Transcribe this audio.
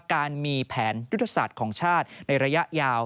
การมีแผนยุทธศาสตร์ของชาติในระยะยาว